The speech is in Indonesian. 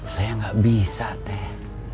saya gak bisa teh